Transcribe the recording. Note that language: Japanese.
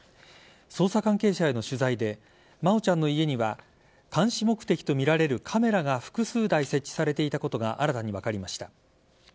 捜査関係者への取材で真愛ちゃんの家には監視目的とみられるカメラが複数台設置されていたことが新たに分かりました。